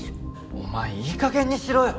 お前いいかげんにしろよ。